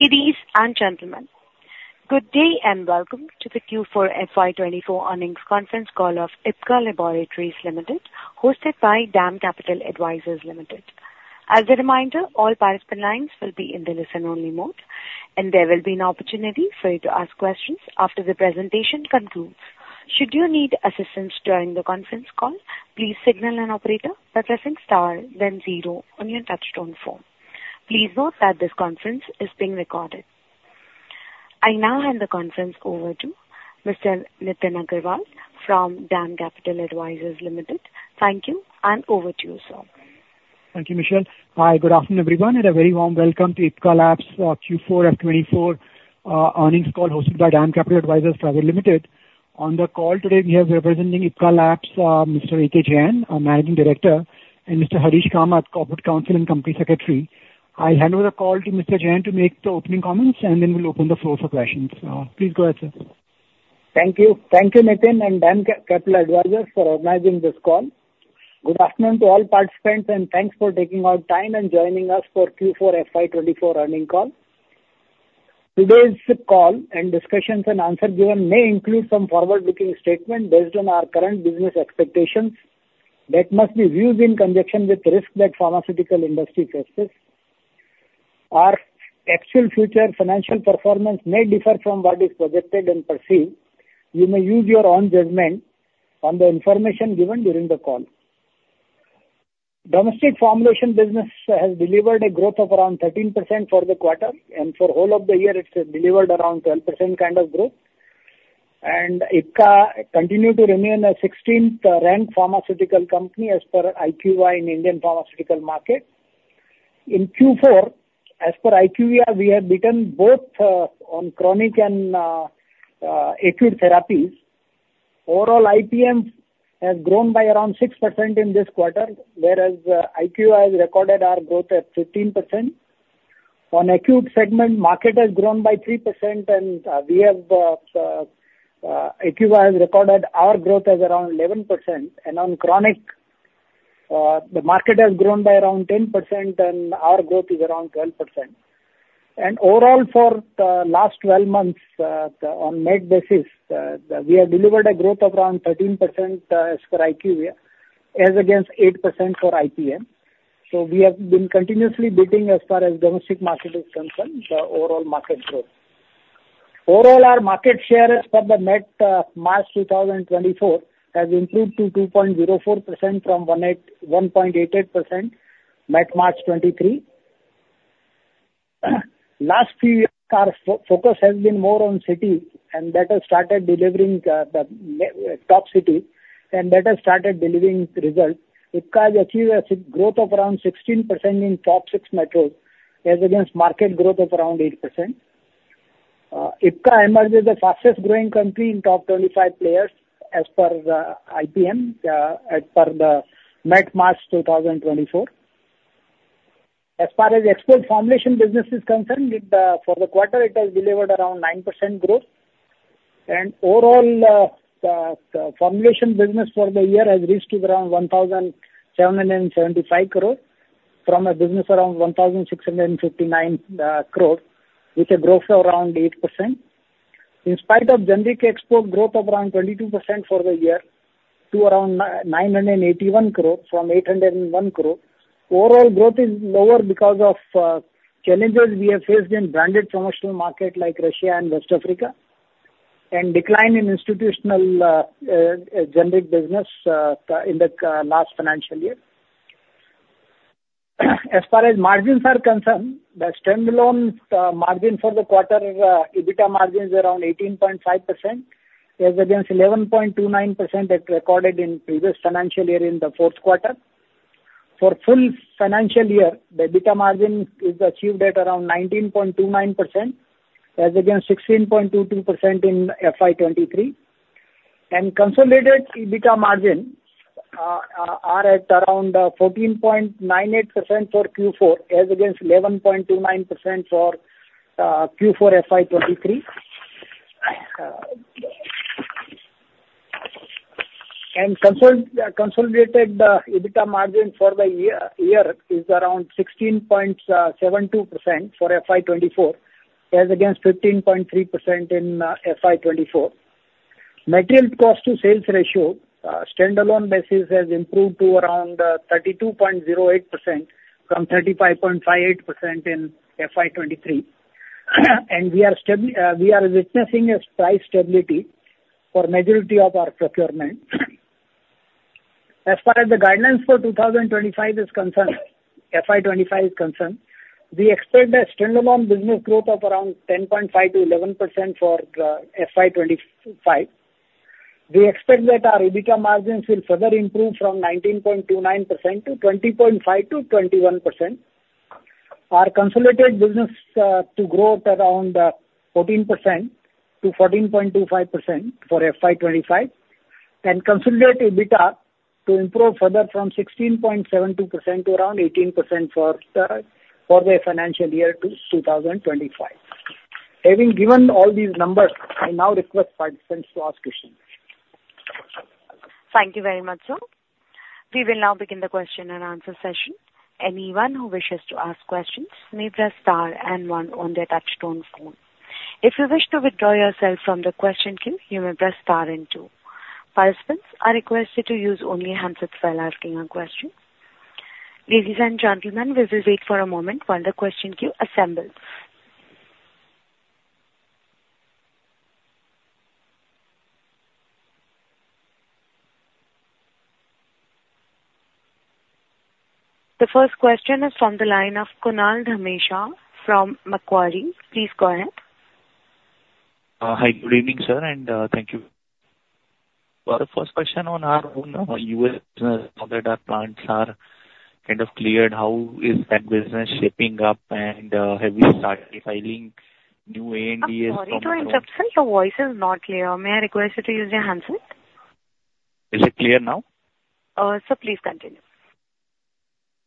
Ladies and gentlemen, good day and welcome to the Q4 FY24 earnings conference call of Ipca Laboratories Limited, hosted by DAM Capital Advisors Limited. As a reminder, all participant lines will be in the listen-only mode, and there will be an opportunity for you to ask questions after the presentation concludes. Should you need assistance during the conference call, please signal an operator by pressing star then zero on your touchtone phone. Please note that this conference is being recorded. I now hand the conference over to Mr. Nitin Agarwal from DAM Capital Advisors Limited. Thank you, and over to you, sir. Thank you, Michelle. Hi, good afternoon, everyone, and a very warm welcome to Ipca Labs, Q4 FY24 earnings call hosted by DAM Capital Advisors Limited. On the call today, we have representing Ipca Labs, Mr. A.K. Jain, our Managing Director, and Mr. Harish Kamath, Corporate Counsel and Company Secretary. I'll hand over the call to Mr. Jain to make the opening comments, and then we'll open the floor for questions. Please go ahead, sir. Thank you. Thank you, Nitin, and DAM Capital Advisors for organizing this call. Good afternoon to all participants, and thanks for taking out time and joining us for Q4 FY24 earnings call. Today's call and discussions and answers given may include some forward-looking statement based on our current business expectations that must be viewed in conjunction with risk that pharmaceutical industry faces. Our actual future financial performance may differ from what is projected and perceived. You may use your own judgment on the information given during the call. Domestic formulation business has delivered a growth of around 13% for the quarter, and for whole of the year, it's delivered around 12% kind of growth. And Ipca continue to remain the 16th ranked pharmaceutical company as per IQVIA in Indian pharmaceutical market. In Q4, as per IQVIA, we have beaten both on chronic and acute therapies. Overall, IPM has grown by around 6% in this quarter, whereas IQVIA has recorded our growth at 15%. On acute segment, market has grown by 3% and IQVIA has recorded our growth as around 11%. And on chronic, the market has grown by around 10%, and our growth is around 12%. And overall for the last 12 months, on net basis, we have delivered a growth of around 13% as per IQVIA, as against 8% for IPM. So we have been continuously beating, as far as domestic market is concerned, the overall market growth. Overall, our market share as per the net March 2024 has improved to 2.04% from 1.88%, net March 2023. Last few years, our focus has been more on cities, and that has started delivering top cities, and that has started delivering results. Ipca has achieved a growth of around 16% in top 6 metros, as against market growth of around 8%. Ipca emerged as the fastest growing company in top 25 players as per the IPM as per the net March 2024. As far as export formulation business is concerned, it for the quarter has delivered around 9% growth. Overall, formulation business for the year has reached to around 1,775 crore, from a business around 1,659 crore, with a growth of around 8%. In spite of generic export growth of around 22% for the year to around nine hundred and eighty-one crore from eight hundred and one crore, overall growth is lower because of challenges we have faced in branded promotional market like Russia and West Africa, and decline in institutional generic business in the last financial year. As far as margins are concerned, the standalone margin for the quarter, EBITDA margin is around 18.5%, as against 11.29% that recorded in previous financial year in the fourth quarter. For full financial year, the EBITDA margin is achieved at around 19.29%, as against 16.22% in FY 2023. Consolidated EBITDA margin are at around 14.98% for Q4, as against 11.29% for Q4 FY 2023. Consolidated EBITDA margin for the year is around 16.72% for FY 2024, as against 15.3% in FY 2024. Material cost to sales ratio standalone basis has improved to around 32.08% from 35.58% in FY 2023. And we are witnessing a price stability for majority of our procurement. As far as the guidelines for 2025 is concerned, FY 25 is concerned, we expect a standalone business growth of around 10.5%-11% for FY 25. We expect that our EBITDA margins will further improve from 19.29% to 20.5%-21%. Our consolidated business to grow at around 14%-14.25% for FY 25, and consolidated EBITDA to improve further from 16.72% to around 18% for the financial year to 2025. Having given all these numbers, I now request participants to ask questions. Thank you very much, sir. We will now begin the question and answer session. Anyone who wishes to ask questions may press star and one on their touchtone phone. If you wish to withdraw yourself from the question queue, you may press star and two. Participants are requested to use only handsets while asking a question. Ladies and gentlemen, we will wait for a moment while the question queue assembles. The first question is from the line of Kunal Dhamesha from Macquarie. Please go ahead. Hi, good evening, sir, and thank you. Well, the first question on our own US, now that our plants are kind of cleared, how is that business shaping up, and have you started filing new ANDAs- I'm sorry to interrupt, sir. Your voice is not clear. May I request you to use your handset? Is it clear now? Sir, please continue.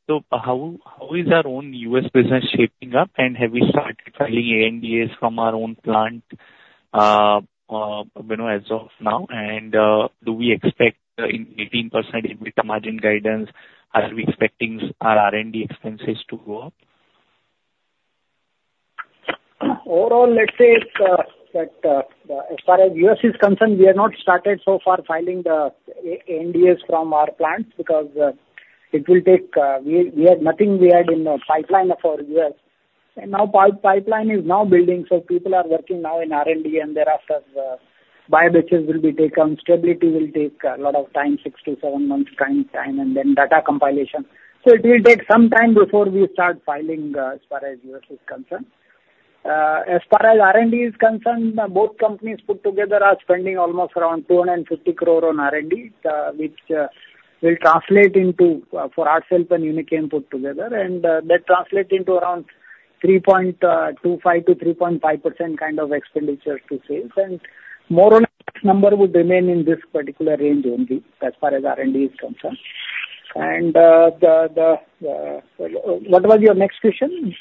So how, how is our own US business shaping up, and have we started filing ANDAs from our own plant, you know, as of now? And, do we expect in 18% EBITDA margin guidance, are we expecting our R&D expenses to go up? Overall, let's say, that, as far as U.S. is concerned, we have not started so far filing the ANDAs from our plants because, it will take... We, we had nothing we had in the pipeline of our U.S., and now pipeline is now building, so people are working now in R&D and thereafter, bio batches will be taken, stability will take a lot of time, 6-7 months time, and then data compilation. So it will take some time before we start filing, as far as U.S. is concerned. As far as R&D is concerned, both companies put together are spending almost around 250 crore on R&D, which will translate into, for ourselves and Unichem put together, and that translate into around 3.25%-3.5% kind of expenditures to sales. And more on that number would remain in this particular range only as far as R&D is concerned. And, what was your next question?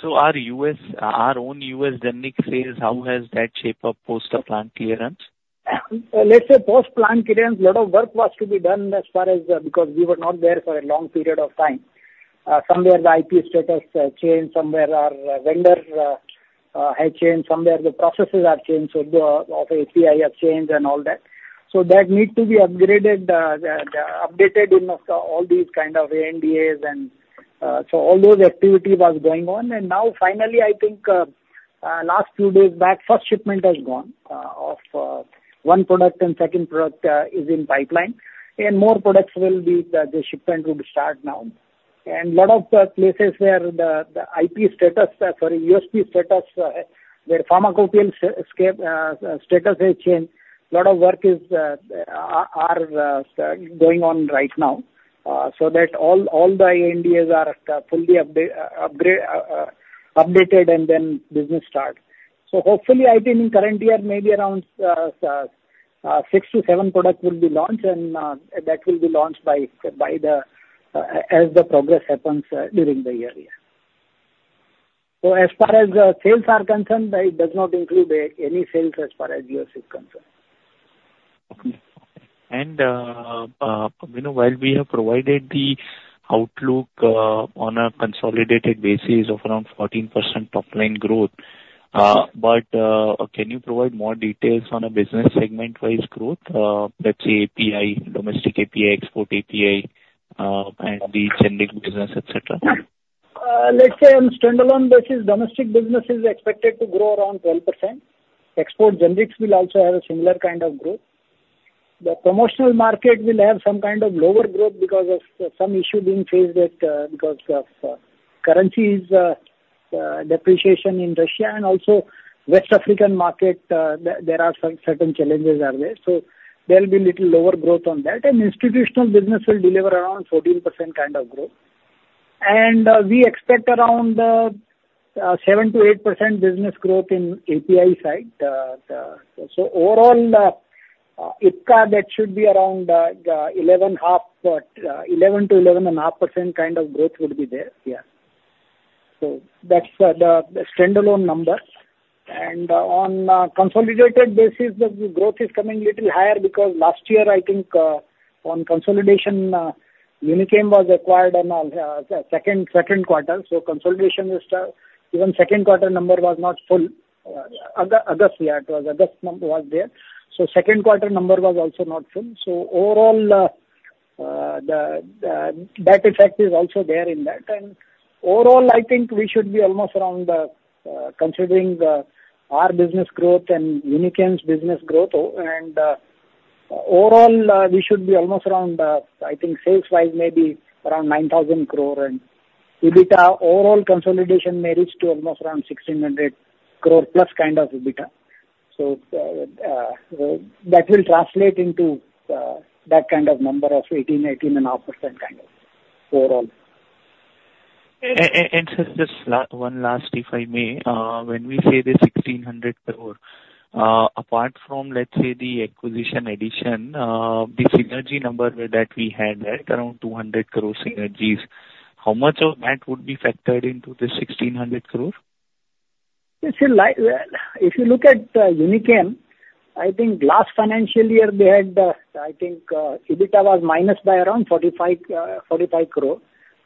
So, our U.S., our own U.S. generic sales, how has that shape up post our plant clearance? Let's say post-plant clearance, a lot of work was to be done as far as, because we were not there for a long period of time. Somewhere the IP status changed, somewhere our vendor had changed, somewhere the processes are changed, so the of API has changed and all that. So that need to be upgraded, updated in of all these kind of ANDAs. And, so all those activity was going on. And now finally, I think, last few days back, first shipment has gone, of, one product and second product, is in pipeline, and more products will be, the shipment would start now. Lot of places where the IP status, sorry, USP status, where pharmacopeial landscape status has changed, lot of work is going on right now, so that all the ANDAs are fully updated, and then business starts. So hopefully, I think in current year, maybe around 6-7 products will be launched, and that will be launched as the progress happens during the year, yeah. So as far as sales are concerned, it does not include any sales as far as U.S. is concerned. You know, while we have provided the outlook on a consolidated basis of around 14% top line growth, but can you provide more details on a business segment-wise growth, let's say API, domestic API, export API, and the generic business, et cetera? Let's say on standalone basis, domestic business is expected to grow around 12%. Export generics will also have a similar kind of growth. The promotional market will have some kind of lower growth because of some issue being faced at, because of, currencies, depreciation in Russia and also West African market, there, there are certain challenges are there. So there will be little lower growth on that, and institutional business will deliver around 14% kind of growth. And we expect around, seven to eight percent business growth in API side. The, so overall, Ipca, that should be around, eleven half, eleven to eleven and a half percent kind of growth would be there. Yeah. So that's, the, the standalone number. On a consolidated basis, the growth is coming a little higher because last year, I think, on consolidation, Unichem was acquired on second quarter, so consolidation was even second quarter number was not full. August we had was August was there, so second quarter number was also not full. So overall, the that effect is also there in that. And overall, I think we should be almost around, considering our business growth and Unichem's business growth, and overall, we should be almost around, I think sales wise maybe around 9,000 crore, and EBITDA overall consolidation may reach to almost around 1,600 crore plus kind of EBITDA. So, that will translate into that kind of number of 18%-18.5% kind of overall. And so just one last, if I may, when we say the 1,600 crore, apart from, let's say, the acquisition addition, the synergy number that we had at around 200 crore synergies, how much of that would be factored into the 1,600 crore? It's still like, if you look at Unichem, I think last financial year they had, I think, EBITDA was minus by around 45 crore.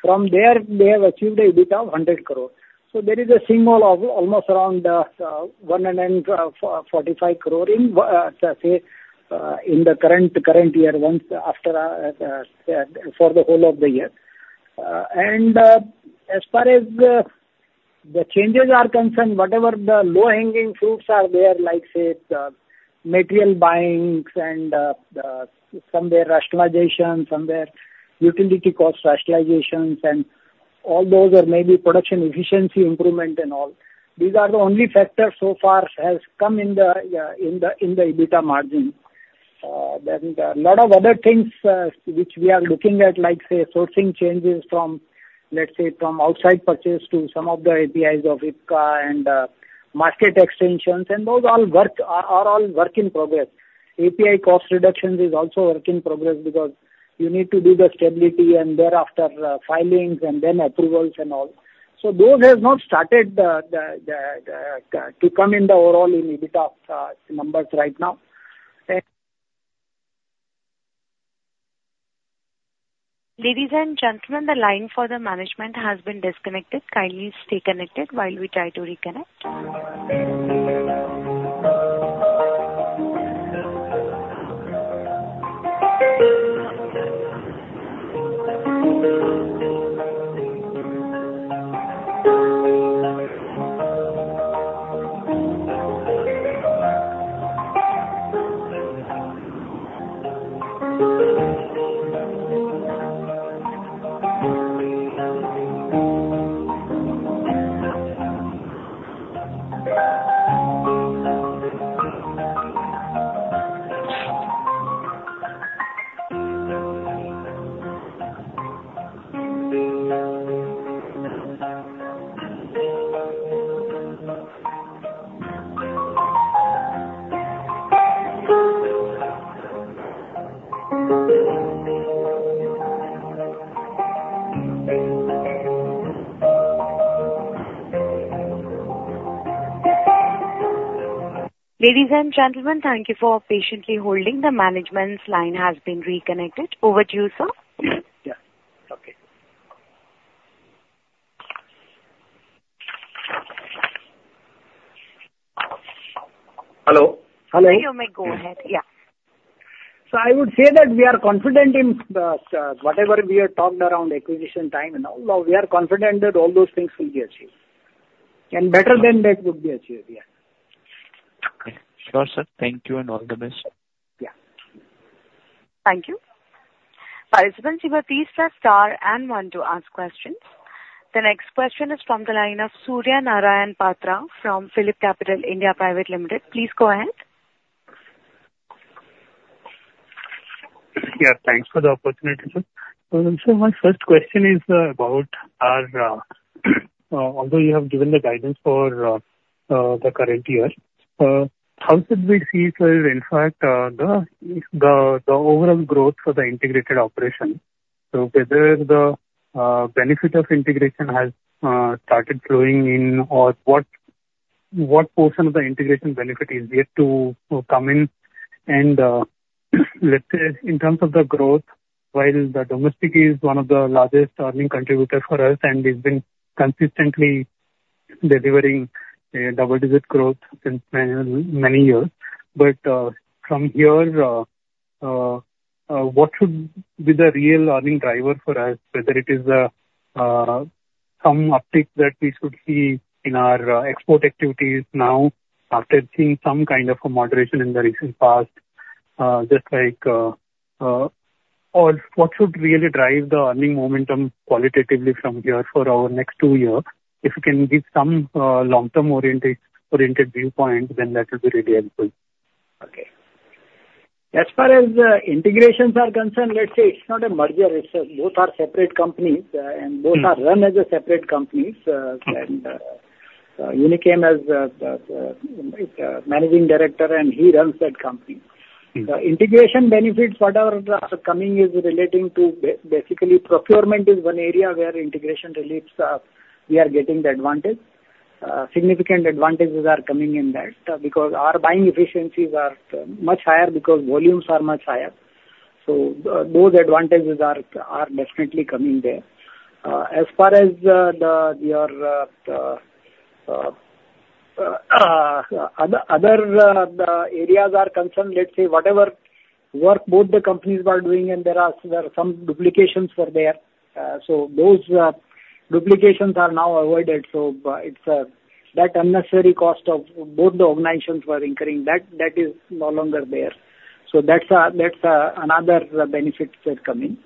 From there, they have achieved a EBITDA of 100 crore. So there is a single of almost around 145 crore in, say, in the current year, once after, for the whole of the year. And, as far as the changes are concerned, whatever the low-hanging fruits are there, like, say, the material buyings and some where rationalization, some where utility cost rationalizations and all those are maybe production efficiency improvement and all. These are the only factors so far has come in the EBITDA margin. Then there are a lot of other things, which we are looking at, like, say, sourcing changes from, let's say, from outside purchase to some of the APIs of Ipca and, market extensions, and those all work, all work in progress. API cost reductions is also work in progress because you need to do the stability and thereafter, filings and then approvals and all. So those have not started, to come in the overall in EBITDA, numbers right now. Ladies and gentlemen, the line for the management has been disconnected. Kindly stay connected while we try to reconnect. Ladies and gentlemen, thank you for patiently holding. The management's line has been reconnected. Over to you, sir. Yeah. Okay. Hello. Hello. You may go ahead. Yeah. I would say that we are confident in whatever we have talked around acquisition time and all, we are confident that all those things will be achieved, and better than that would be achieved. Yeah. Sure, sir. Thank you, and all the best. Yeah. Thank you. Participants, you may press star and one to ask questions. The next question is from the line of Surya Narayan Patra from Phillip Capital India Private Limited. Please go ahead. Yeah, thanks for the opportunity, sir. So my first question is, about our, although you have given the guidance for, the current year, how should we see so in fact, the overall growth for the integrated operation? So whether the benefit of integration has started flowing in or what, what portion of the integration benefit is yet to come in? And, let's say in terms of the growth, while the domestic is one of the largest earning contributor for us, and it's been consistently delivering a double-digit growth since many years. But, from here, what should be the real earning driver for us? Whether it is some uptick that we should see in our export activities now, after seeing some kind of a moderation in the recent past, or what should really drive the earnings momentum qualitatively from here for our next two years? If you can give some long-term oriented viewpoint, then that will be really helpful. Okay. As far as, integrations are concerned, let's say it's not a merger, it's a both are separate companies, and both are run as a separate companies Okay. Unichem has a managing director, and he runs that company. The integration benefits, whatever are coming, is relating to basically, procurement is one area where integration relates, we are getting the advantage. Significant advantages are coming in that, because our buying efficiencies are much higher because volumes are much higher. So, those advantages are definitely coming there. As far as the, your, other, other, the areas are concerned, let's say whatever work both the companies were doing and there are, there are some duplications were there, so those duplications are now avoided. So, it's that unnecessary cost of both the organizations were incurring, that is no longer there. So that's another benefits that are coming.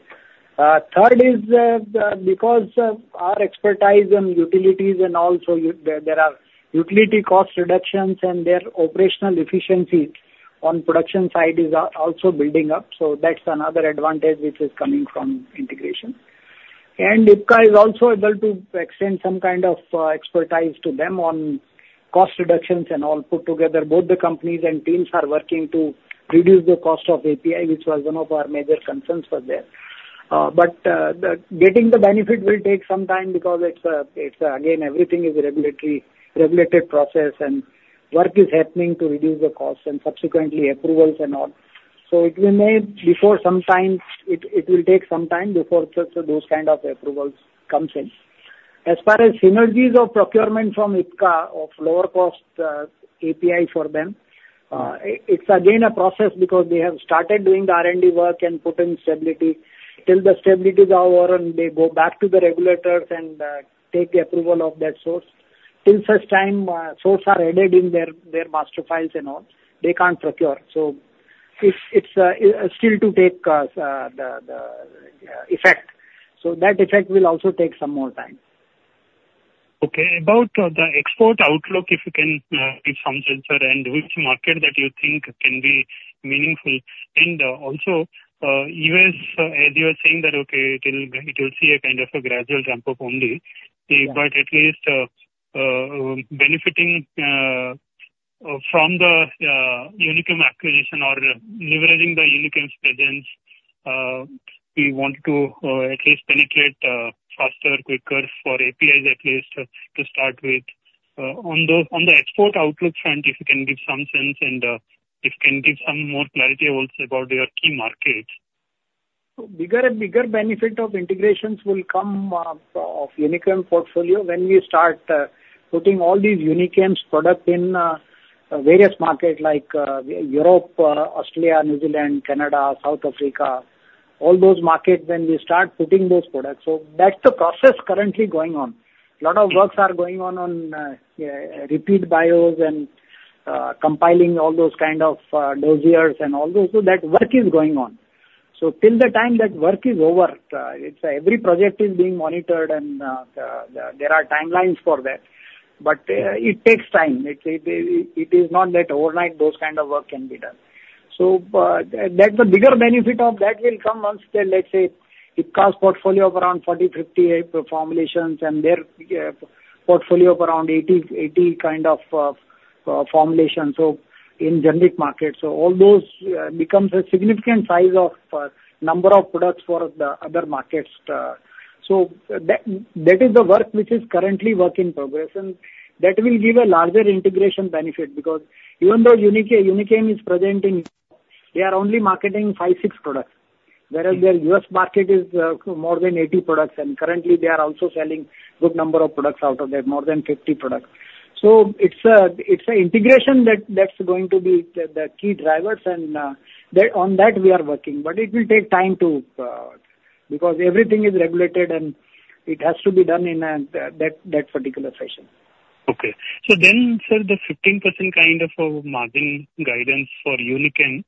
Third is, the, because of our expertise in utilities and also there, there are utility cost reductions and their operational efficiency on production side is also building up. So that's another advantage which is coming from integration. And Ipca is also able to extend some kind of, expertise to them on cost reductions and all put together. Both the companies and teams are working to reduce the cost of API, which was one of our major concerns was there. But, the getting the benefit will take some time because it's, it's, again, everything is regulatory, regulated process, and work is happening to reduce the costs and subsequently approvals and all. So it will make before some time- it, it will take some time before such those kind of approvals comes in. As far as synergies of procurement from Ipca of lower cost API for them, it's again a process because they have started doing the R&D work and put in stability. Till the stability is over and they go back to the regulators and take the approval of that source. Till such time, source are added in their master files and all, they can't procure. So it's still to take the effect. So that effect will also take some more time. Okay. About the export outlook, if you can give some sense around which market that you think can be meaningful. And also, U.S., as you are saying, that okay, it will, it will see a kind of a gradual ramp-up only. Yeah. But at least, benefiting from the Unichem acquisition or leveraging the Unichem presence, we want to at least penetrate faster, quicker for APIs, at least, to start with. On the export outlook front, if you can give some sense and if you can give some more clarity also about your key markets. Bigger and bigger benefit of integrations will come, of Unichem portfolio when we start, putting all these Unichem's product in, various markets like, Europe, Australia, New Zealand, Canada, South Africa, all those markets, when we start putting those products. So that's the process currently going on. A lot of works are going on, on, repeat bios and, compiling all those kind of, dossiers and all those. So that work is going on. So till the time that work is over, it's every project is being monitored and, the, there are timelines for that, but, it takes time. It is not that overnight those kind of work can be done. So, that, the bigger benefit of that will come once the, let's say, Ipca's portfolio of around 40, 50 formulations and their portfolio of around 80, 80 kind of formulation, so in generic markets. So all those becomes a significant size of number of products for the other markets. So that, that is the work which is currently in progress, and that will give a larger integration benefit, because even though Unichem, Unichem is present in US, they are only marketing 5, 6 products. Whereas their US market is more than 80 products, and currently they are also selling good number of products out of that, more than 50 products. So it's a, it's a integration that, that's going to be the, the key drivers, and on that we are working, but it will take time to, because everything is regulated and it has to be done in a, that, that particular fashion. Okay. So then, sir, the 15% kind of a margin guidance for Unichem,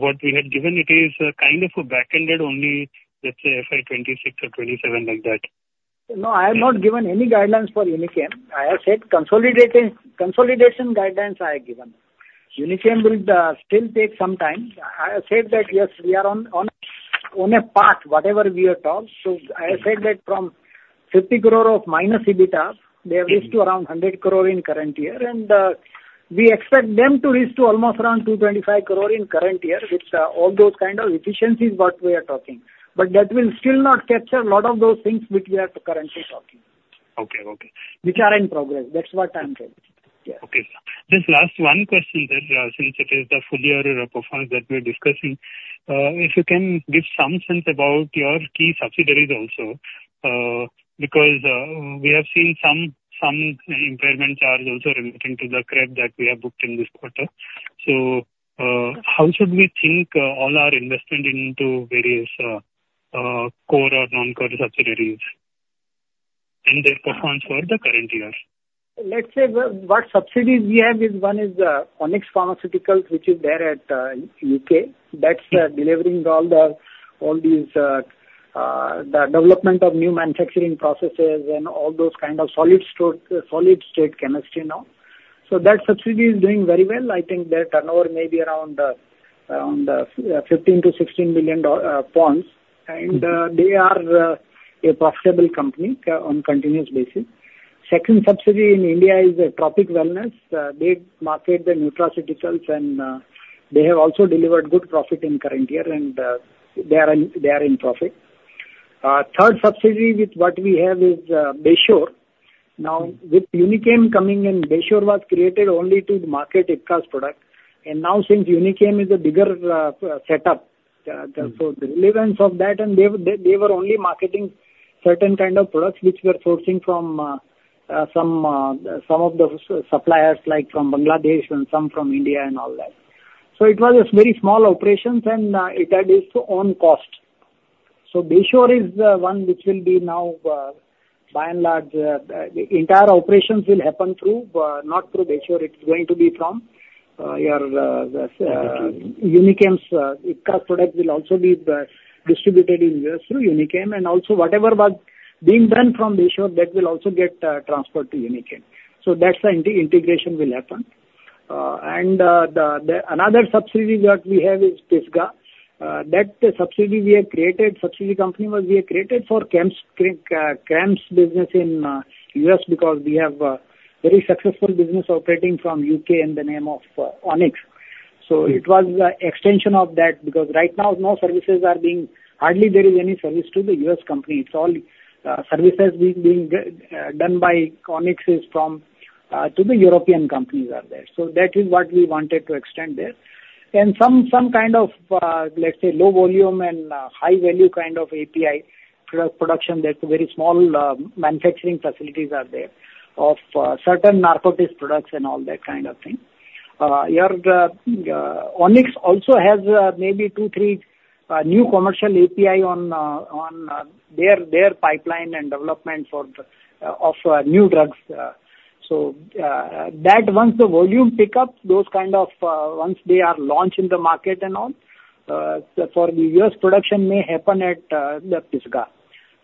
what we had given it is kind of a back-ended only, let's say, FY 2026 or 2027 like that. No, I have not given any guidance for Unichem. I have said consolidated- consolidation guidance I have given. Unichem will still take some time. I have said that, yes, we are on, on, on a path, whatever we have talked. So I have said that from 50 crore of minus EBITDA, they have raised to around 100 crore in current year, and we expect them to reach to almost around 225 crore in current year, with all those kind of efficiencies what we are talking. But that will still not capture a lot of those things which we are currently talking. Okay. Okay. Which are in progress. That's what I'm telling. Yeah. Okay. Just last one question, then, since it is the full year performance that we're discussing, if you can give some sense about your key subsidiaries also, because, we have seen some impairment charge also relating to the credit that we have booked in this quarter. So, how should we think all our investment into various core or non-core subsidiaries and their performance for the current year? Let's say what subsidiaries we have is one is Onyx Scientific, which is there at U.K. That's delivering all the all these the development of new manufacturing processes and all those kind of solid state chemistry now. So that subsidiary is doing very well. I think their turnover may be around around 15-16 billion pounds, and they are a profitable company on continuous basis. Second subsidiary in India is Trophic Wellness. They market the nutraceuticals, and they have also delivered good profit in current year, and they are in profit. Third subsidiary what we have is Bayshore. Now, with Unichem coming in, Bayshore was created only to market Ipca's product. And now, since Unichem is a bigger setup, therefore relevance of that, and they, they were only marketing certain kind of products which were sourcing from, some of the suppliers, like from Bangladesh and some from India and all that. So it was a very small operations, and it had its own cost. So Bayshore is the one which will be now, by and large, the entire operations will happen through, not through Bayshore, it's going to be from, your, Unichem's, Ipca product will also be distributed in U.S. through Unichem, and also whatever was being done from Bayshore, that will also get transferred to Unichem. So that's the integration will happen. And, the another subsidiary that we have is Pisgah. That subsidiary company we have created for chems business in the U.S. because we have a very successful business operating from U.K. in the name of Onyx. So it was the extension of that, because right now, no services are being hardly there is any service to the U.S. company. It's all services being done by Onyx's from to the European companies are there. So that is what we wanted to extend there. And some kind of, let's say, low volume and high value kind of API pro-production, that very small manufacturing facilities are there of certain narcotics products and all that kind of thing. Your Onyx also has maybe two, three new commercial API on their pipeline and development for the of new drugs. So, that once the volume pick up, those kind of, once they are launched in the market and all, so for the US, production may happen at the Pisgah.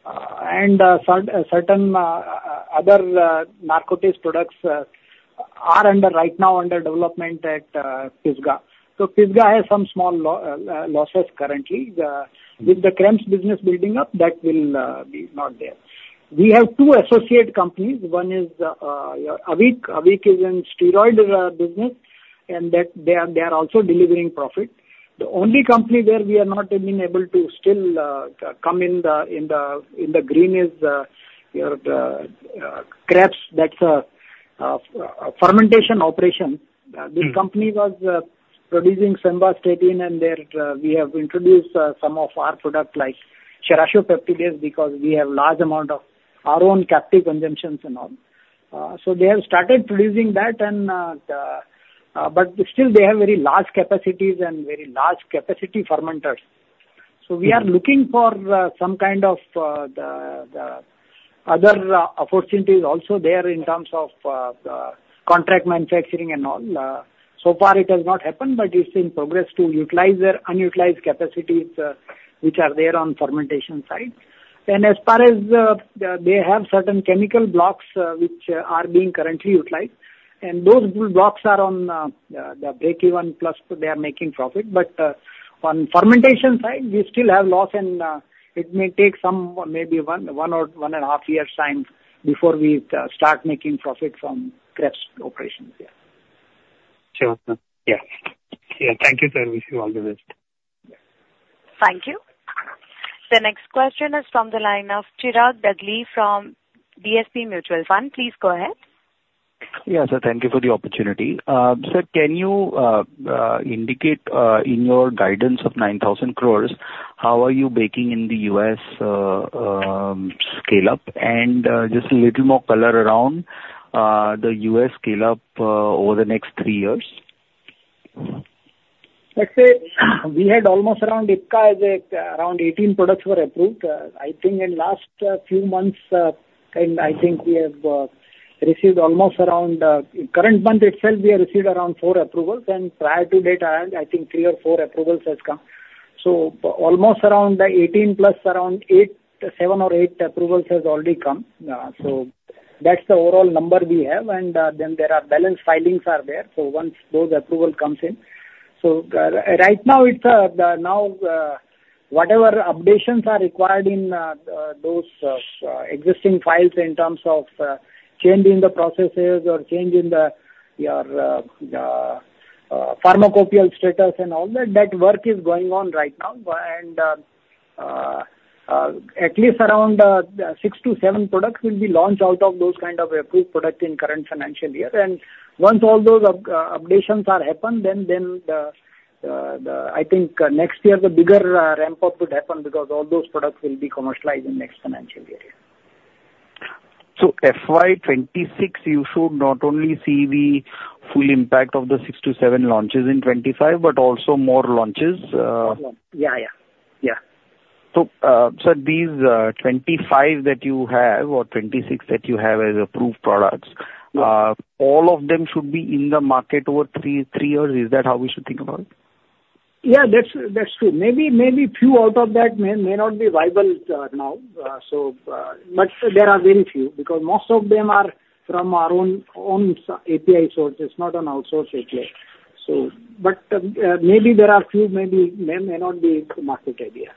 And certain other narcotics products are under, right now under development at Pisgah. So Pisgah has some small losses currently. With the CRAMS business building up, that will be not there. We have two associate companies. One is Avik. Avik is in steroid business, and that they are, they are also delivering profit. The only company where we are not being able to still come in the green is your Krebs. That's a fermentation operation. This company was producing simvastatin, and there, we have introduced some of our product, like Serratiopeptidase, because we have large amount of our own captive consumptions and all. So they have started producing that. But still they have very large capacities and very large capacity fermenters. So we are looking for some kind of, the, the other, opportunities also there in terms of, contract manufacturing and all. So far it has not happened, but it's in progress to utilize their unutilized capacities, which are there on fermentation side. And as far as, they have certain chemical blocks, which are being currently utilized, and those blocks are on, the breakeven plus, they are making profit. On fermentation side, we still have loss, and it may take some, maybe one or one and a half years time before we start making profit from Krebs operations. Yeah. Sure, sir. Yeah. Yeah. Thank you, sir. Wish you all the best. Thank you. The next question is from the line of Chirag Dagli from DSP Mutual Fund. Please go ahead. Yeah, sir, thank you for the opportunity. Sir, can you indicate in your guidance of 9,000 crore, how are you baking in the US scale-up? And just a little more color around the US scale-up over the next three years. Let's say, we had almost around Ipca, around 18 products were approved. I think in last few months, and I think we have received almost around, current month itself, we have received around 4 approvals, and prior to date, I think 3 or 4 approvals has come. So almost around the 18, plus around 8, 7 or 8 approvals has already come. So that's the overall number we have. And, then there are balance filings are there, so once those approval comes in. So, right now it's, the, now, whatever updations are required in, those, existing files in terms of, change in the processes or change in the, your, pharmacopoeial status and all that, that work is going on right now. At least around 6-7 products will be launched out of those kind of approved products in current financial year. Once all those updates are happened, then the, I think next year, the bigger ramp-up would happen because all those products will be commercialized in next financial year. So FY 2026, you should not only see the full impact of the 6-7 launches in 2025, but also more launches. Yeah, yeah. Yeah. So, sir, these 25 that you have, or 26 that you have as approved products. Yeah. All of them should be in the market over 3-3 years? Is that how we should think about it? Yeah, that's true. Maybe few out of that may not be viable now. But there are very few, because most of them are from our own API sources, not an outsourced API. So, maybe there are a few, may not be in the market idea.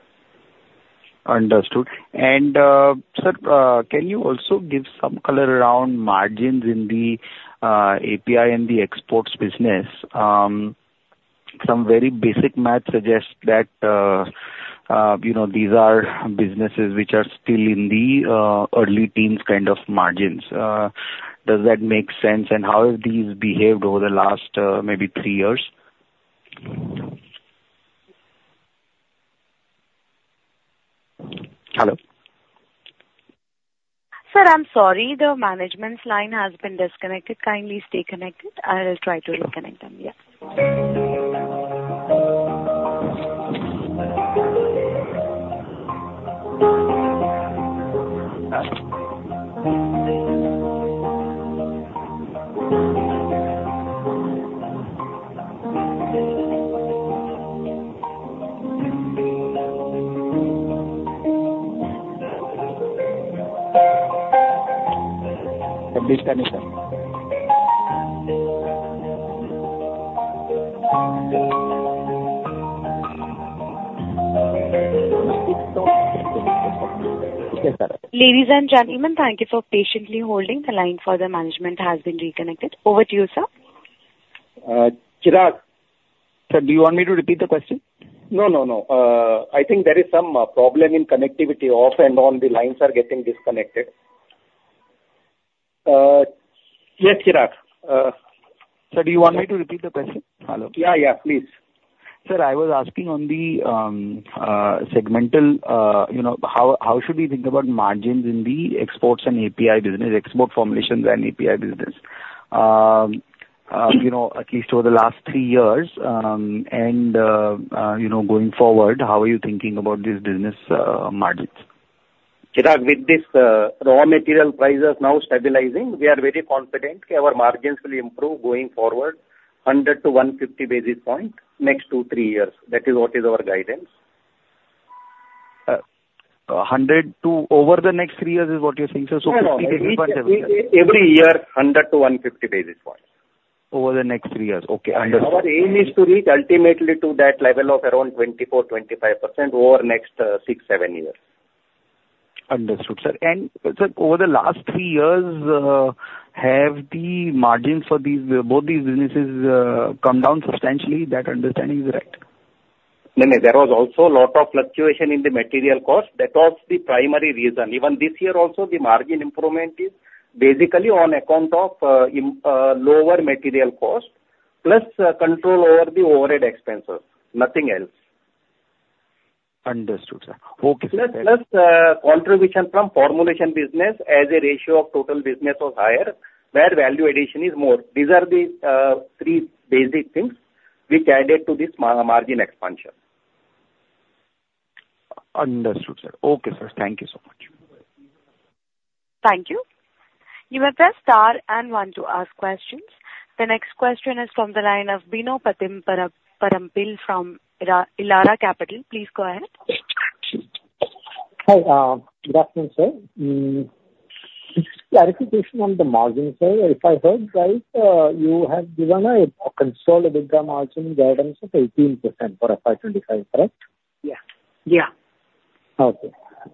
Understood. And, sir, can you also give some color around margins in the API and the exports business? Some very basic math suggests that, you know, these are businesses which are still in the early teens kind of margins. Does that make sense? And how have these behaved over the last maybe three years? Hello? Sir, I'm sorry, the management's line has been disconnected. Kindly stay connected, I will try to reconnect them. Yeah. Disconnection. Ladies and gentlemen, thank you for patiently holding. The line for the management has been reconnected. Over to you, sir. Uh, Chirag. Sir, do you want me to repeat the question? No, no, no. I think there is some problem in connectivity, off and on, the lines are getting disconnected. Yes, Chirag, Sir, do you want me to repeat the question? Hello. Yeah, yeah, please. Sir, I was asking on the segmental, you know, how should we think about margins in the exports and API business, export formulations and API business? You know, at least over the last three years, and you know, going forward, how are you thinking about this business, margins? Chirag, with this, raw material prices now stabilizing, we are very confident our margins will improve going forward, 100-150 basis points next 2-3 years. That is what is our guidance. 100 to over the next 3 years is what you're saying, sir? No, no, every year, 100-150 basis points. Over the next three years. Okay, understood. Our aim is to reach ultimately to that level of around 24-25% over next 6-7 years. Understood, sir. And sir, over the last three years, have the margins for these, both these businesses, come down substantially? That understanding is right. No, no. There was also a lot of fluctuation in the material cost. That was the primary reason. Even this year also, the margin improvement is basically on account of lower material cost, plus control over the overhead expenses, nothing else. Understood, sir. Okay. Plus, contribution from formulation business as a ratio of total business was higher, where value addition is more. These are the three basic things which added to this margin expansion. Understood, sir. Okay, sir. Thank you so much. Thank you. You may press star and one to ask questions. The next question is from the line of Bino Pathiparampil from Elara Capital. Please go ahead. Hi, good afternoon, sir. Just clarification on the margin side. If I heard right, you have given a consolidated margin guidance of 18% for FY 2025, correct? Yeah. Yeah. Okay.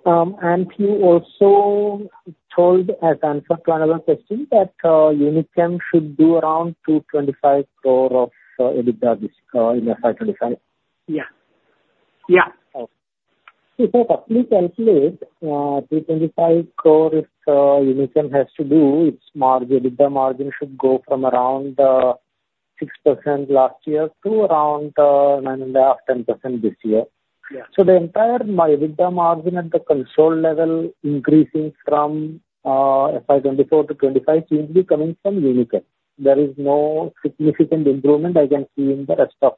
And you also told as answer to another question that Unichem should do around 225 crore of EBITDA in FY 2025. Yeah. Yeah. Okay. If I roughly calculate, 225 crore, if Unichem has to do, its EBITDA margin should go from around 6% last year to around 9.5%-10% this year. Yeah. The entire EBITDA margin at the consolidated level increasing from FY 2024 to 2025 seems to be coming from Unichem. There is no significant improvement I can see in the rest of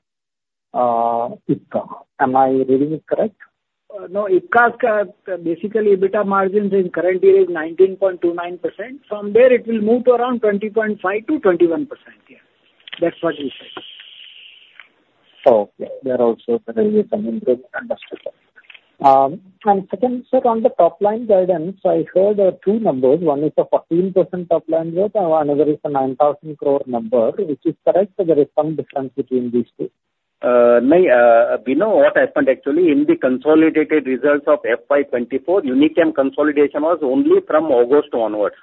Ipca. Am I reading it correct? No. Ipca's basically EBITDA margins in current year is 19.29%. From there, it will move to around 20.5%-21%. Yeah, that's what we said. Okay. There also there will be some improvement. Understood, sir. And second, sir, on the top line guidance, I heard two numbers. One is a 14% top line growth, another is a 9,000 crore number. Which is correct, sir? There is some difference between these two. Bino, what happened actually, in the consolidated results of FY24, Unichem consolidation was only from August onwards.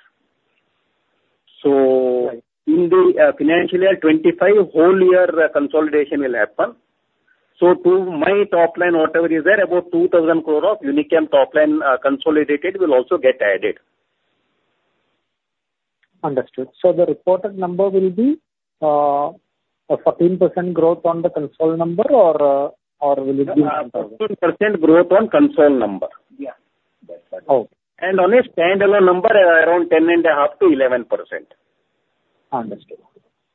Right. In the financial year 2025, whole year consolidation will happen. So to my top line, whatever is there, about 2,000 crore of Unichem top line, consolidated, will also get added. Understood. So the reported number will be a 14% growth on the consolidated number or, or will it be- 14% growth on consensus number. Yeah. That's right. Okay. On a standalone number, around 10.5%-11%. Understood.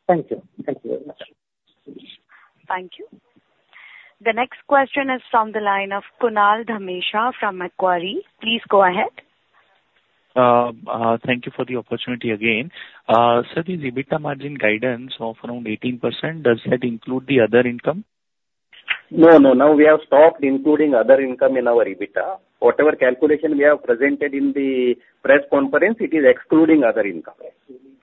Thank you. Thank you very much. Thank you. The next question is from the line of Kunal Dhamesha from Macquarie. Please go ahead. Thank you for the opportunity again. Sir, the EBITDA margin guidance of around 18%, does that include the other income? No, no. Now we have stopped including other income in our EBITDA. Whatever calculation we have presented in the press conference, it is excluding other income. Excluding.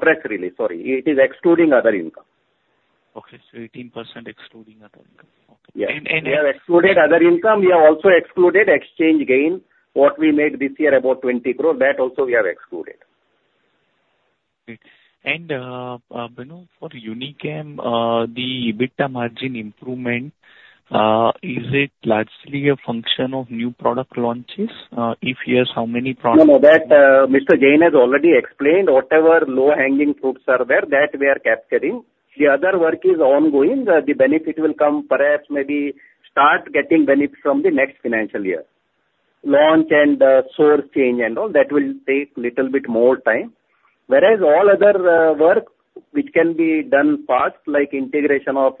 Press release, sorry. It is excluding other income. Okay, so 18% excluding other income. Okay. Yeah. We have excluded other income, we have also excluded exchange gain, what we made this year, about 20 crore, that also we have excluded. Great. And, Bino, for Unichem, the EBITDA margin improvement, is it largely a function of new product launches? If yes, how many products. No, no, that, Mr. Jain has already explained. Whatever low-hanging fruits are there, that we are capturing. The other work is ongoing. The benefit will come perhaps, maybe start getting benefits from the next financial year. Launch and source change and all, that will take little bit more time. Whereas all other work which can be done fast, like integration of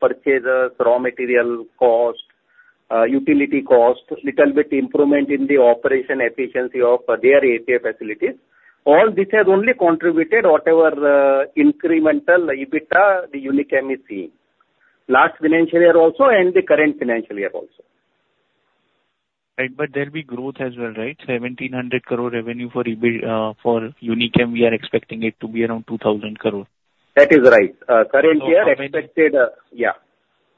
purchasers, raw material cost, utility cost, little bit improvement in the operation efficiency of their API facilities, all this has only contributed whatever incremental EBITDA the Unichem is seeing, last financial year also and the current financial year also. Right, but there'll be growth as well, right? 1,700 crore revenue for EB for Unichem, we are expecting it to be around 2,000 crore. That is right. Current year expected, yeah.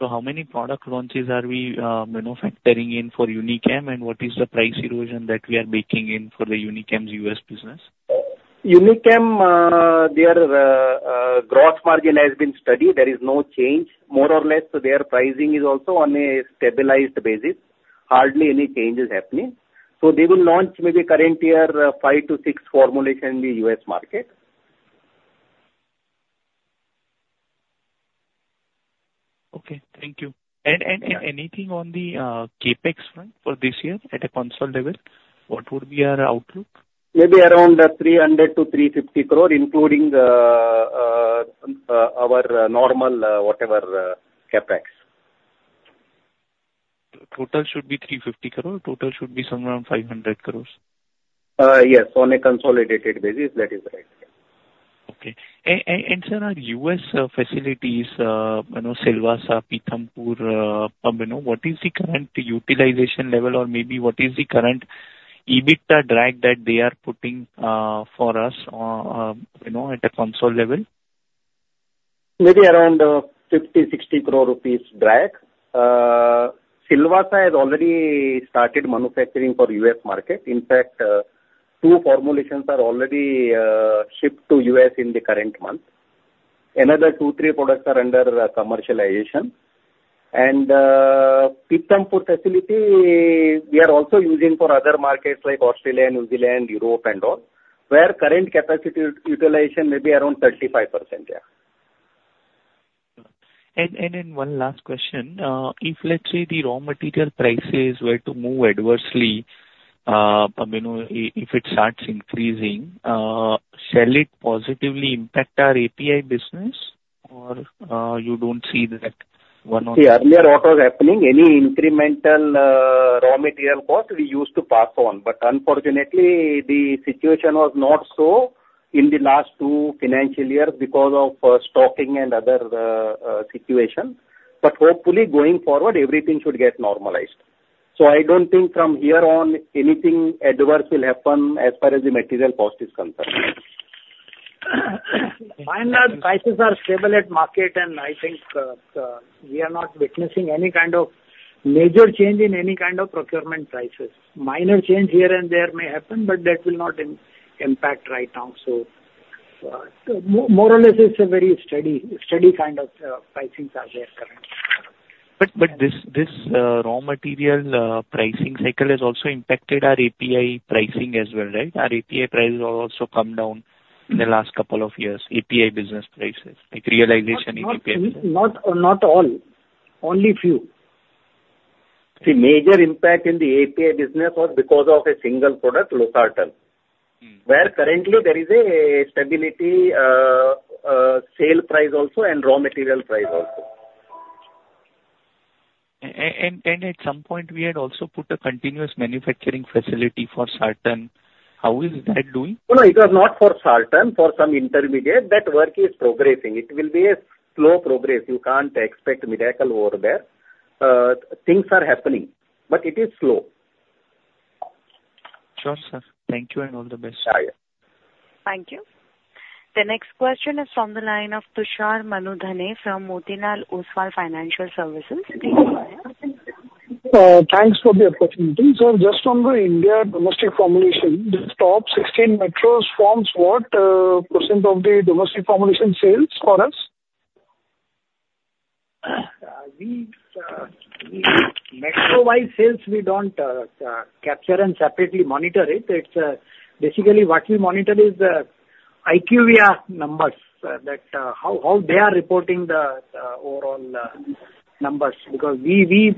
So how many product launches are we manufacturing in for Unichem? And what is the price erosion that we are baking in for the Unichem's US business? Unichem, their gross margin has been steady. There is no change. More or less, their pricing is also on a stabilized basis. Hardly any change is happening. So they will launch maybe current year, 5-6 formulation in the U.S. market. Okay, thank you. And anything on the CapEx front for this year at a consolidated level, what would be our outlook? Maybe around 300-350 crore, including, our normal, whatever, CapEx. Total should be INR 350 crore, total should be somewhere around INR 500 crore? Yes, on a consolidated basis, that is right. Okay. And sir, our U.S. facilities, you know, Silvassa, Pithampur, you know, what is the current utilization level or maybe what is the current EBITDA drag that they are putting, for us, you know, at a consolidated level? Maybe around 50 crore-60 crore rupees drag. Silvassa has already started manufacturing for U.S. market. In fact, 2 formulations are already shipped to U.S. in the current month. Another 2-3 products are under commercialization. And Pithampur facility, we are also using for other markets like Australia, New Zealand, Europe and all, where current capacity utilization may be around 35%, yeah. And one last question. If, let's say, the raw material prices were to move adversely, you know, if it starts increasing, shall it positively impact our API business, or you don't see that one or two? Earlier, what was happening, any incremental raw material cost, we used to pass on, but unfortunately, the situation was not so in the last two financial years because of stocking and other situation. But hopefully, going forward, everything should get normalized. So I don't think from here on, anything adverse will happen as far as the material cost is concerned. Minor prices are stable at market, and I think, we are not witnessing any kind of major change in any kind of procurement prices. Minor change here and there may happen, but that will not impact right now. So, more or less, it's a very steady, steady kind of, pricings are there currently. But this raw material pricing cycle has also impacted our API pricing as well, right? Our API prices have also come down in the last couple of years, API business prices, like, realization in API. Not all. Only few. The major impact in the API business was because of a single product, Losartan. Where currently there is a stability, sale price also and raw material price also. At some point, we had also put a continuous manufacturing facility for Sartan. How is that doing? No, it was not for Sartan, for some intermediate. That work is progressing. It will be a slow progress. You can't expect miracle over there. Things are happening, but it is slow. Sure, sir. Thank you, and all the best. Yeah, yeah. Thank you. The next question is from the line of Tushar Manudhane from Motilal Oswal Financial Services. Please go ahead. Thanks for the opportunity. So just on the India domestic formulation, the top 16 metros forms what % of the domestic formulation sales for us? We, metro-wise sales, we don't capture and separately monitor it. It's basically what we monitor is the IQVIA numbers, that how they are reporting the overall numbers. Because we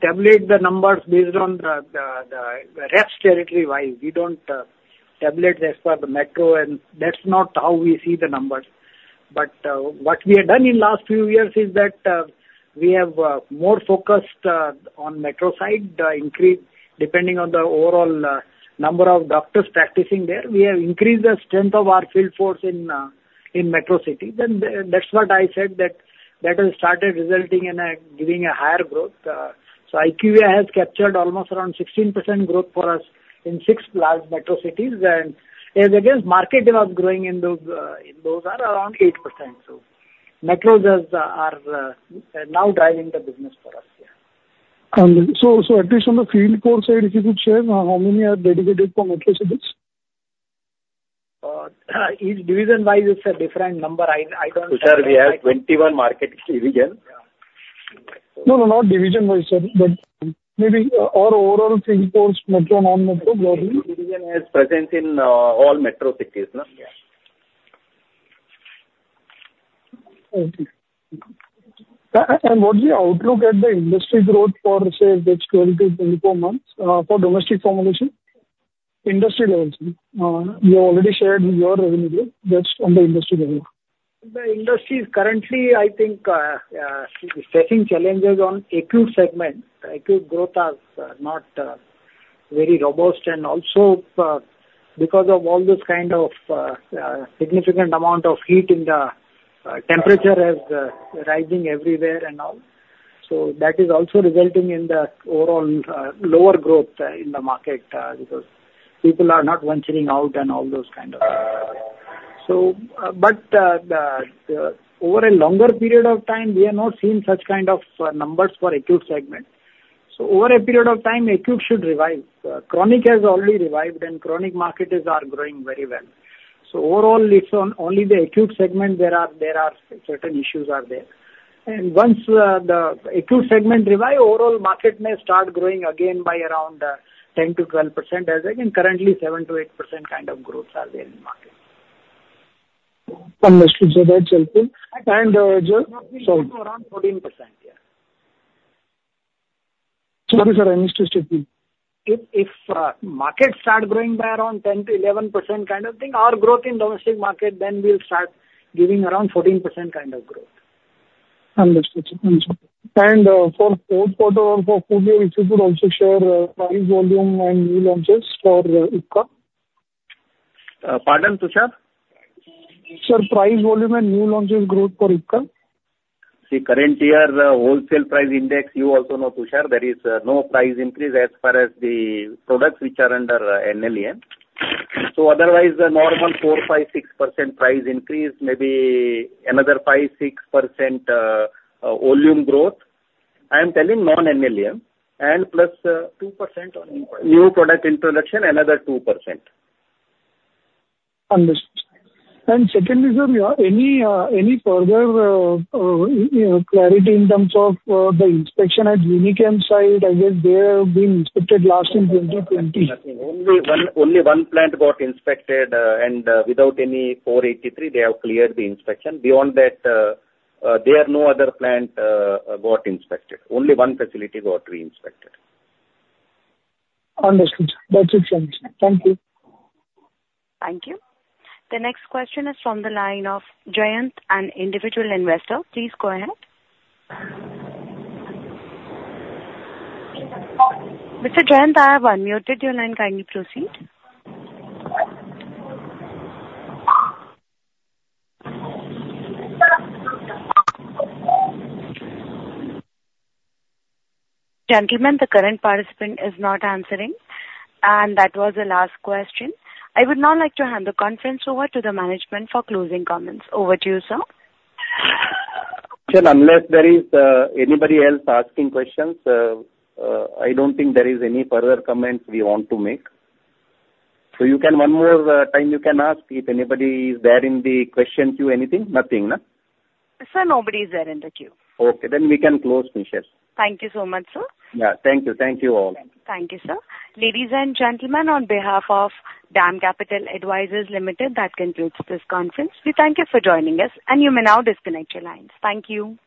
tabulate the numbers based on the rest territory-wise. We don't tabulate as per the metro, and that's not how we see the numbers. But what we have done in last few years is that we have more focused on metro side, increase depending on the overall number of doctors practicing there. We have increased the strength of our field force in metro city. Then that's what I said that has started resulting in a giving a higher growth. So, IQVIA has captured almost around 16% growth for us in six large metro cities, and against market not growing in those are around 8%. So, metros are now driving the business for us, yeah. At least on the field force side, if you could share how many are dedicated for metro cities? Each division wise, it's a different number. I don't- Tushar, we have 21 market division. Yeah. No, no, not division wise, sir, but maybe our overall field force, metro, non-metro globally. Division is present in all metro cities now. Yeah. Okay. And what's the outlook at the industry growth for, say, next 24 months, for domestic formulation? Industry levels. You already shared your revenue growth, just on the industry level. The industry is currently, I think, facing challenges on acute segment. Acute growth has not very robust, and also, because of all this kind of, significant amount of heat in the, temperature is, rising everywhere and all. So that is also resulting in the overall, lower growth, in the market, because people are not venturing out and all those kind of things. So, but, the, over a longer period of time, we have not seen such kind of, numbers for acute segment. So over a period of time, acute should revive. Chronic has already revived, and chronic markets are growing very well. So overall, it's on only the acute segment there are, there are certain issues are there. Once, the acute segment revive, overall market may start growing again by around 10%-12%, as again, currently 7%-8% kind of growths are there in the market. Understood, sir. That's helpful. Around 14%, yeah. Sorry, sir, I missed it. If market start growing by around 10%-11% kind of thing, our growth in domestic market, then we'll start giving around 14% kind of growth. Understood, sir. Thank you. And, for fourth quarter, for full year, if you could also share, price, volume, and new launches for Ipca. Pardon, Tushar? Sir, price, volume, and new launches growth for Ipca? See, current year, wholesale price index, you also know, Tushar, there is no price increase as far as the products which are under NLEM. So otherwise, the normal 4%-6% price increase, maybe another 5%-6% volume growth. I'm telling non-NLEM, and plus 2% on new product introduction, another 2%. Understood. And secondly, sir, you have any further clarity in terms of the inspection at Unichem site? I guess they have been inspected last in 2020. Only one, only one plant got inspected, and without any Form 483, they have cleared the inspection. Beyond that, there are no other plant got inspected. Only one facility got reinspected. Understood, sir. That's it. Thank you. Thank you. The next question is from the line of Jayanth, an individual investor. Please go ahead. Mr. Jayanth, I have unmuted your line. Kindly proceed. Gentlemen, the current participant is not answering, and that was the last question. I would now like to hand the conference over to the management for closing comments. Over to you, sir. Unless there is anybody else asking questions, I don't think there is any further comments we want to make. So you can, one more time, you can ask if anybody is there in the question queue, anything? Nothing, nah? Sir, nobody's there in the queue. Okay, then we can close, Michell. Thank you so much, sir. Yeah. Thank you. Thank you, all. Thank you, sir. Ladies and gentlemen, on behalf of DAM Capital Advisors Limited, that concludes this conference. We thank you for joining us, and you may now disconnect your lines. Thank you.